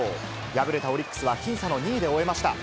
敗れたオリックスは僅差の２位で終えました。